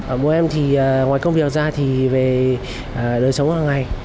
ở bố em thì ngoài công việc ra thì về đời sống hàng ngày